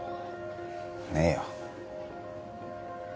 ねえよ